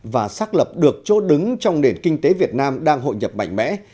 và xác lập được chỗ đứng trong nền kinh tế việt nam đang hội nhập mạnh mẽ